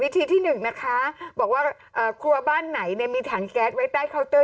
ทีที่๑นะคะบอกว่าครัวบ้านไหนมีถังแก๊สไว้ใต้เคาน์เตอร์